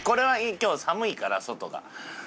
今日寒いから外が。